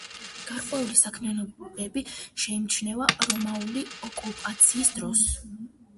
გარკვეული საქმიანობები შეიმჩნევა რომაული ოკუპაციის დროს.